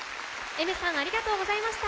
Ａｉｍｅｒさんありがとうございました。